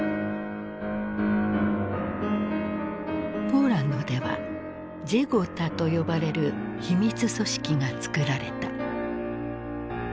ポーランドでは「ジェゴタ」と呼ばれる秘密組織が作られた。